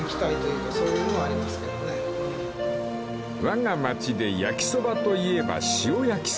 ［わが町で焼きそばといえば塩焼きそば］